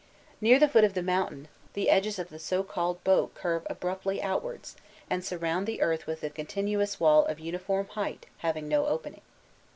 Near the foot of the mountain, the edges of the so called boat curve abruptly outwards, and surround the earth with a continuous wall of uniform height having no opening.